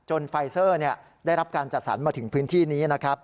จนไฟซัรได้รับการจัดสรรมาถึงพื้นที่นี้